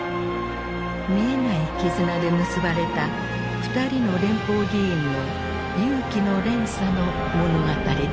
見えない絆で結ばれた２人の連邦議員の勇気の連鎖の物語である。